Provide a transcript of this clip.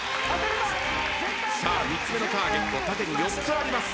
３つ目のターゲット縦に４つあります。